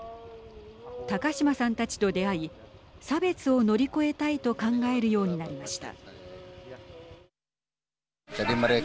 高島さんたちと出会い差別を乗り越えたいと考えるようになりました。